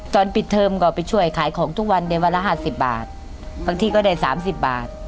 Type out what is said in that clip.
ตอนปิดเทอมก็ไปช่วยขายของทุกวันเดี๋ยวละ๕๐บาทบางที่ก็ได้๓๐บาท